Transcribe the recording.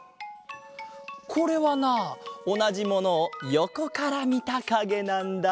これはなおなじものをよこからみたかげなんだ。